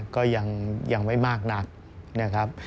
ก็ยังไม่มากนักนะครับ